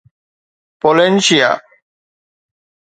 Polynesia